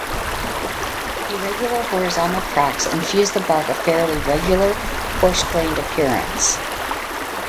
Irregular horizontal cracks infuse the bark a fairly regular, coarse-grained appearance.